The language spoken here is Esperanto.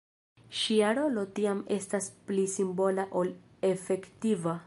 Ŝia rolo tiam estas pli simbola ol efektiva.